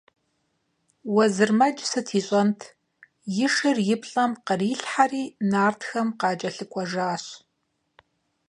Уэзырмэдж сыт ищӏэнт – и шыр и плӏэм кърилъхьэри, нартхэм къакӏэлъыкӏуэжащ.